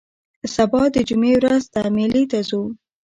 سبا د جمعې ورځ ده مېلې ته ځو